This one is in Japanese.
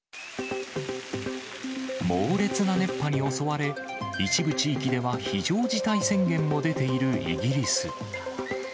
猛烈な熱波に襲われ、一部地域では非常事態宣言も出ているイギリス。